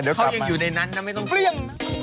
เขายังอยู่ในนั้นนะไม่ต้อง